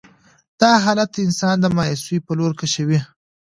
دا حالات انسان د مايوسي په لور کشوي.